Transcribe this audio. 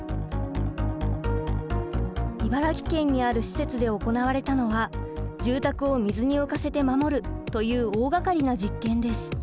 茨城県にある施設で行われたのは住宅を水に浮かせて守るという大がかりな実験です。